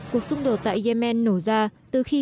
cuộc xung đột tại yemen nổ ra từ khi